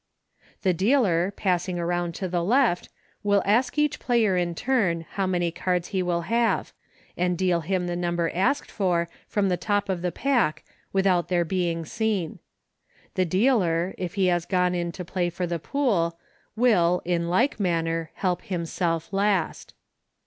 The dealer, passing around to the left, will ask each player in turn how many cards he will have, and deal him the number asked for from the top of the pack without their being seen. The dealer, if he has gone in to play for the pool, will, in like manner, help himself last.